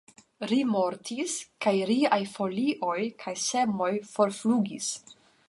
Ri mortis, kaj riaj folioj kaj semoj forflugis.